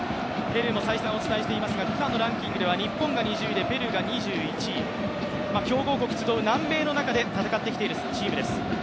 ＦＩＦＡのランキングでは日本が２０位で、ペルーが２１位、強豪国が集う南米の中で戦ってきているチームです。